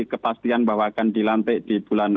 kepastian bahwa akan dilantik di bulan